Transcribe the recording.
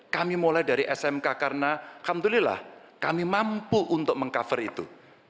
kami mulai dari smk karena alhamdulillah kami mampu untuk meng cover itu